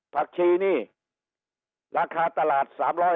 ผักชีนี่ราคาตลาด๓๐๐